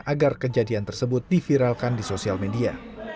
agar kejadian tersebut diviralkan di sosial media